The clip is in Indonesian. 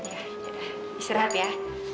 ya istirahat ya